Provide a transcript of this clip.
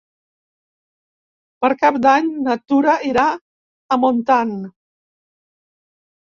Per Cap d'Any na Tura irà a Montant.